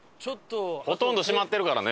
ほとんど閉まってるからね。